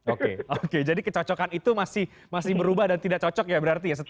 oke oke jadi kecocokan itu masih berubah dan tidak cocok ya berarti ya